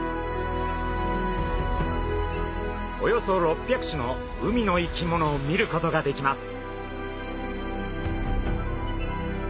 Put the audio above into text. およそ６００種の海の生き物を見ることができます。